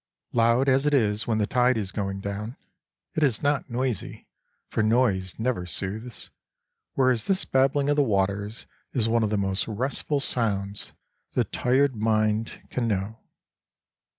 Loud as it is when the tide is going down, it is not noisy—for noise never soothes, whereas this babbling of the waters is one of the most restful sounds the tired mind can know.